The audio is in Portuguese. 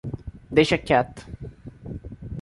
Deixa quieto.